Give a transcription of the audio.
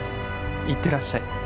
行ってらっしゃい。